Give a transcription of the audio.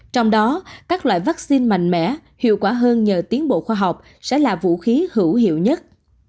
trong đó các loại vaccine mạnh mẽ hiệu quả hơn nhờ tiến bộ khoa học sẽ là vũ khí hữu hiệu nhất